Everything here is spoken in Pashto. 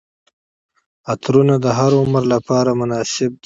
عطرونه د هر عمر لپاره مناسب دي.